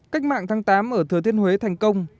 cách mạng tháng tám ở thừa thiên huế thành công